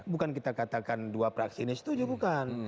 bukan kita katakan dua praksi ini setuju bukan